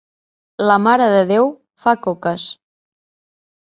La Mare de Déu fa coques.